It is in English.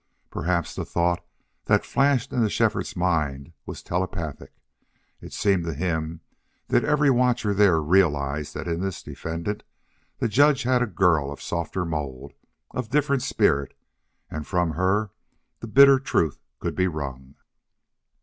Perhaps the thought that flashed into Shefford's mind was telepathic; it seemed to him that every watcher there realized that in this defendant the judge had a girl of softer mold, of different spirit, and from her the bitter truth could be wrung.